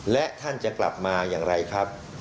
และท่านจะกลับมาอย่างไรครับ